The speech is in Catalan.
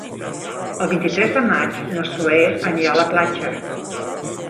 El vint-i-tres de maig na Zoè anirà a la platja.